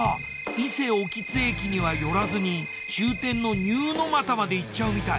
伊勢奥津駅には寄らずに終点の丹生俣まで行っちゃうみたい。